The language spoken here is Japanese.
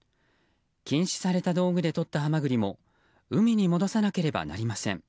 禁止された道具でとったハマグリも海に戻さなければなりません。